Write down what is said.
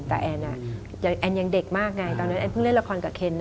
แต่แอนยังเด็กมากไงตอนนั้นแอนเพิ่งเล่นละครกับเคน